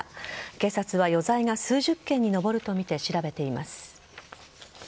警察は余罪が数十件に上るとみて調べています。